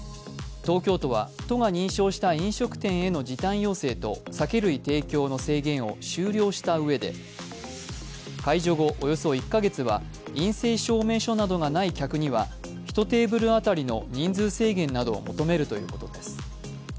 東京都は都が認証した飲食店への時短要請と酒類提供の制限を終了したうえで解除後、およそ１カ月は陰性証明書などがない客には１テーブル当たりの人数制限などを求めるということです。